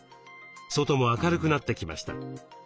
外も明るくなってきました。